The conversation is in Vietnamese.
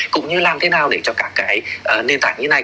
cũng như làm thế nào để cho các cái nền tảng như thế này